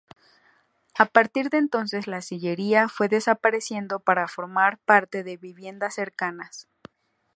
A partir de entonces, la sillería fue desapareciendo para formar parte de viviendas cercanas.